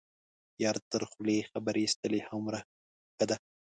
یار تر خولې خبر یستلی هومره ښه ده.